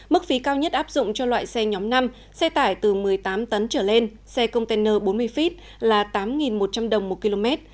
mức phí cao nhất áp dụng cho loại xe nhóm năm xe tải từ một mươi tám tấn trở lên xe container bốn mươi feet là tám một trăm linh đồng một km